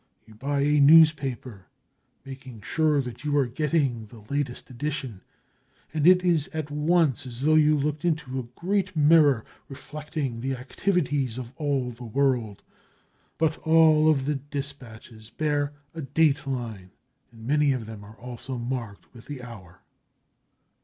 _] You buy a newspaper, making sure that you are getting the latest edition, and it is at once as though you looked into a great mirror reflecting the activities of all the world, but all of the dispatches bear a date line, and many of them are also marked with the hour.